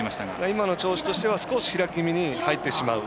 今の調子としては少し開き気味に入ってしまう。